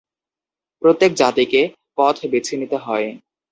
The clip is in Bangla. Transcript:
প্রত্যেক জাতিকে পথ বেছে নিতে হয়।